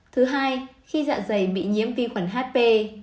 thứ hai khi dạ dày bị nhiễm vi khuẩn hp